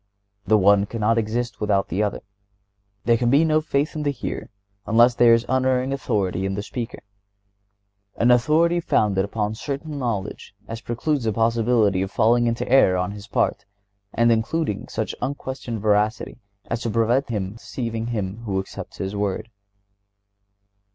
The one cannot exist without the other. There can be no faith in the hearer unless there is unerring authority in the speaker—an authority founded upon such certain knowledge as precludes the possibility of falling into error on his part, and including such unquestioned veracity as to prevent his deceiving him who accepts his word.